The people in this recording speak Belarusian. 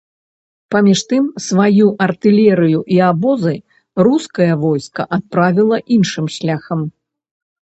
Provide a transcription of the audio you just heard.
Паміж тым, сваю артылерыю і абозы рускае войска адправіла іншым шляхам.